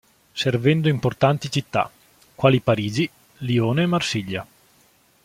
Servendo importanti città, quali Parigi, Lione e Marsiglia.